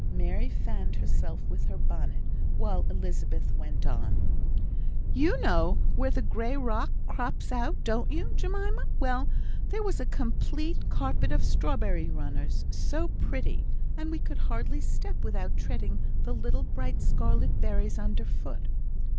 Mary fanned herself with her bonnet, while Elizabeth went on: "You know where the grey rock crops out, don't you, Jemima? Well, there was a complete carpet of strawberry runners. So pretty! And we could hardly step without treading the little bright scarlet berries under foot."